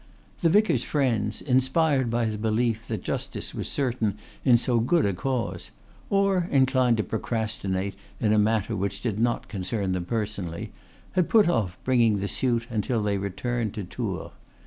The vicar's friends, inspired by the belief that justice was certain in so good a cause, or inclined to procrastinate in a matter which did not concern them personally, had put off bringing the suit until they returned to Tours.